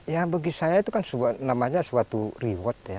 ya bagi saya itu kan namanya suatu reward ya